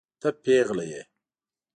ته پيغله يې.